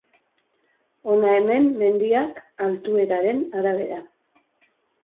Hona hemen mendiak altueraren arabera.